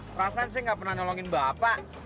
perasaan saya nggak pernah nolongin bapak